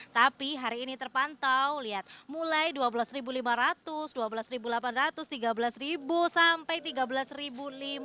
tapi hari ini terpantau lihat mulai rp dua belas lima ratus rp dua belas delapan ratus rp tiga belas sampai rp tiga belas lima ratus